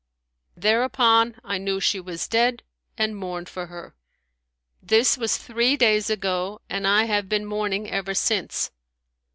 Thereupon I knew she was dead and mourned for her. This was three days ago, and I have been mourning ever since.